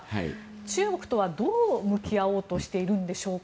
中国とはどう向き合おうとしているんでしょうか。